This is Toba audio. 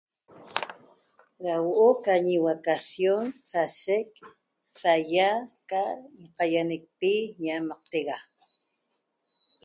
Da huo'o ca ñivacacion sashec saya ca qayañecpi ñamactega